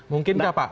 mungkin tidak pak